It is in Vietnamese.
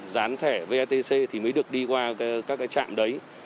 gián thẻ vatc thì mới được đi qua các cái trạm đấy